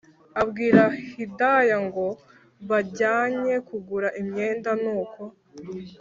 abwira hidaya ngo bajyanye kugura imyenda nuko